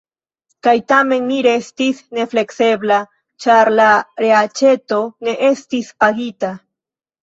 Kaj tamen mi restis nefleksebla, ĉar la reaĉeto ne estis pagita.